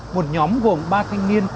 một nhóm gồm ba thanh niên